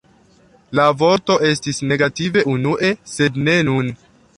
La vorto estis negativa unue, sed ne nun.